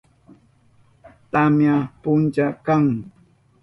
Tamya puncha kan.